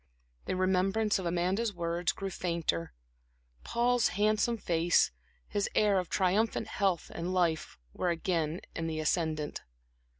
The remembrance of Amanda's words grew fainter; Paul's handsome face, his air of triumphant health and life, were again in the ascendent.